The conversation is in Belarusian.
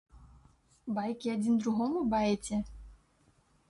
Байкі адзін другому баеце?!